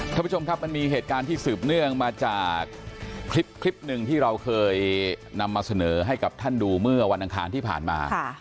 ท่านผู้ชมครับมันมีเหตุการณ์ที่สืบเนื่องมาจากคลิปหนึ่งที่เราเคยนำมาเสนอให้กับท่านดูเมื่อวันอังคารที่ผ่านมา